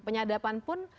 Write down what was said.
penyadapan pun kpk dapat